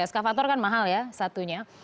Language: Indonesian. eskavator kan mahal ya satunya